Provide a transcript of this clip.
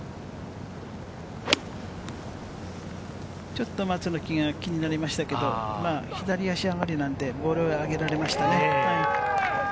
ちょっと松の木が気になりましたけれども、まぁ左足上がりなのでボールは上げられましたね。